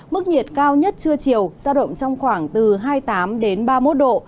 mức nhiệt cao nhất trưa chiều ra động trong khoảng hai mươi tám ba mươi một độ